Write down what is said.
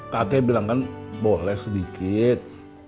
kakek bilang kan boleh sedikit